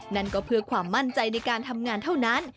นั่นก็เพื่อความมั่นใจในการทำงานเท่านั้น